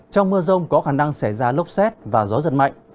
trong mưa rông có khả năng xảy ra lốc xét và gió giật mạnh